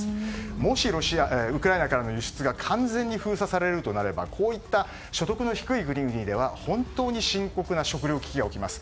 もしウクライナからの輸出が完全に封鎖されるとなるとこういった所得の低い国々では本当に深刻な食糧危機が起きます。